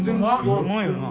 うまいよな。